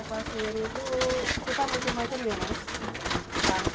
karakter terus dua a yang informatif matif kerja batas